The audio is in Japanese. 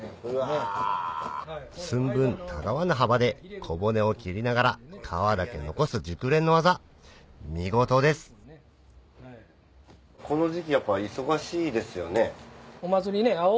寸分たがわぬ幅で小骨を切りながら皮だけ残す熟練の技見事ですお祭りね。